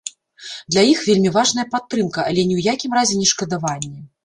Для іх вельмі важная падтрымка, але ні ў якім разе не шкадаванне.